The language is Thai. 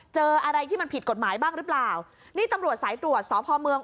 เจออะไรที่มันผิดกฎหมายบ้างหรือเปล่านี่ตำรวจสายตรวจสพเมือง